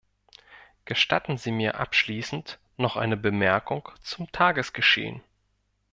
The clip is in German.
Gestatten Sie mir abschließend noch eine Bemerkung zum Tagesgeschehen.